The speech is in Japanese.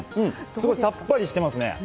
すごいさっぱりしてますね。